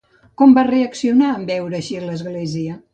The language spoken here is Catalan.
Com va reaccionar en veure així l'església?